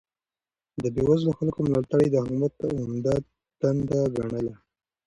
د بې وزلو خلکو ملاتړ يې د حکومت عمده دنده ګڼله.